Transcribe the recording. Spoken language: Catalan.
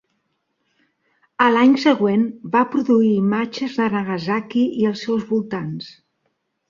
A l'any següent va produir imatges de Nagasaki i els seus voltants.